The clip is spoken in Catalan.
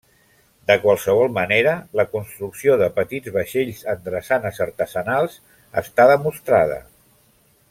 De qualsevol manera, la construcció de petits vaixells en drassanes artesanals està demostrada.